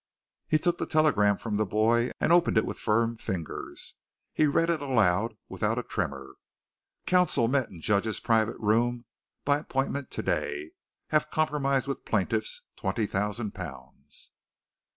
He took the telegram from the boy, and opened it with firm fingers. He read it out aloud without a tremor: Counsel met in judge's private room by appointment to day. Have compromised with plaintiffs twenty thousand pounds.